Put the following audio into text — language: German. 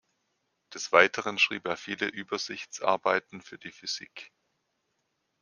Des Weiteren schrieb er viele Übersichtsarbeiten für die Physik.